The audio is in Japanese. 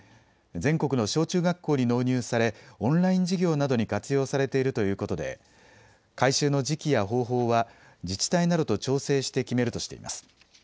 全国の小中学校に納入されオンライン授業などに活用されているということで回収の時期や方法は自治体などと調整して決めるとしています。